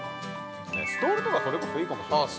ストールとかそれこそいいかもしれないね。